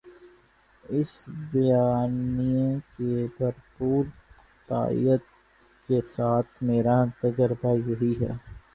اس بیانیے کی بھرپور تائید کے ساتھ میرا تجزیہ یہی ہے